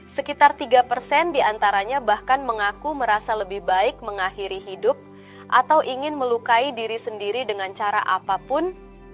sekitar tiga persen diantaranya bahkan mengaku merasa lebih baik mengakhiri hidup atau ingin melukai diri sendiri dengan cara apapun